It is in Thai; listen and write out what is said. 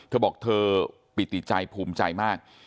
เธอบอกเธอปิติใจภูมิใจมาก